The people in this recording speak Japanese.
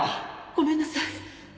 ごめんなさい。